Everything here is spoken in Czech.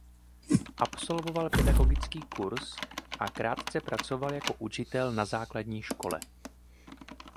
Absolvoval pedagogický kurz a krátce pracoval jako učitel na základní škole.